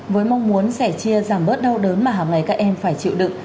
với mong muốn sẻ chia giảm bớt đau đớn mà hàng ngày các em phải chịu đựng